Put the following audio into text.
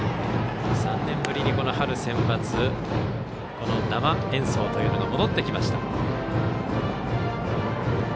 ３年ぶりに春センバツ生演奏というのが戻ってきました。